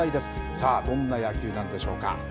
さあ、どんな野球なんでしょうか。